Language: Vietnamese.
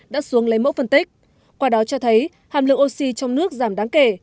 đã xuống lấy mẫu phân tích qua đó cho thấy hàm lượng oxy trong nước giảm đáng kể